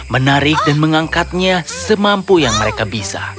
menarik dan mengangkatnya semampu yang mereka bisa